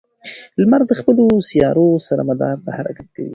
لمر د خپلو سیارو سره مدار حرکت کوي.